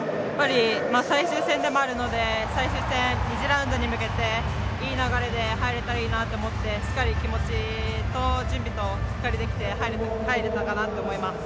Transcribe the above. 最終戦でもあるので最終戦、２次ラウンドに向けていい流れで入れたらいいなと思って気持ちと準備と、しっかりできて入れたかなと思います。